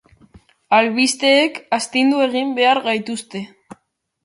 Albisteek astindu egin behar gaituzte.